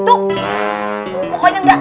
tuh pokoknya nggak